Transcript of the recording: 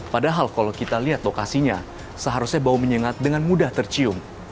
padahal kalau kita lihat lokasinya seharusnya bau menyengat dengan mudah tercium